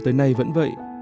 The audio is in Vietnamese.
đến nay vẫn vậy